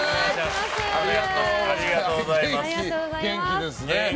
元気ですね。